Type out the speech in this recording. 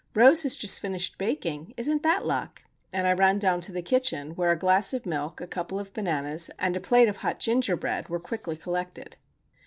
Rose has just finished baking. Isn't that luck?" And I ran down to the kitchen, where a glass of milk, a couple of bananas, and a plate of hot ginger bread were quickly collected.